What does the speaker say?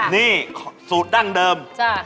นี่สูตรดั้งเดิม